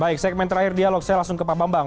baik segmen terakhir dialog saya langsung ke pak bambang